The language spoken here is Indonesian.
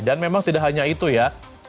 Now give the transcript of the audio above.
dan memang tidak hanya itu ya